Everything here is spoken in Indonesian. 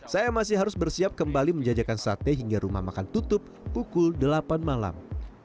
saya masih harus bersiap kembali menjajakan sate hingga rumah makan tutup pukul delapan malam